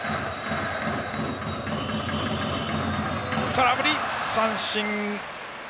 空振り三振。